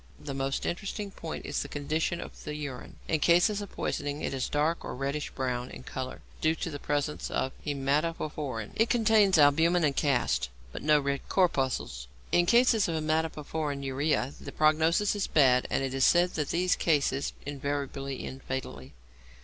The most interesting point is the condition of the urine. In cases of poisoning it is dark or reddish brown in colour, due to the presence of hæmatoporphyrin. It contains albumin and casts, but no red corpuscles. In cases of hæmatoporphyrinuria the prognosis is bad, and it is said that these cases invariably end fatally.